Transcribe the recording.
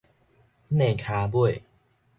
躡跤尾